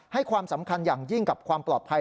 ให้ความสำคัญอย่างยิ่งกับความปลอดภัย